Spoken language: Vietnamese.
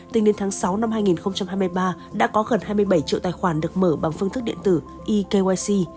tính đến tháng sáu năm hai nghìn hai mươi ba đã có gần hai mươi bảy triệu tài khoản được mở bằng phương thức điện tử ekyc